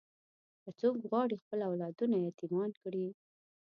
که څوک غواړي خپل اولادونه یتیمان کړي.